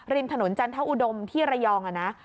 ริมถนนจันทอุดมที่ระยองนะ